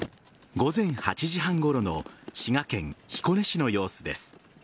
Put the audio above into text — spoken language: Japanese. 午前８時半ごろの滋賀県彦根市の様子です。